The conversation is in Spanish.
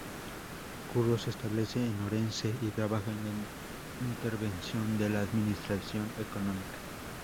Curros se establece en Orense y trabaja en la Intervención de la Administración Económica.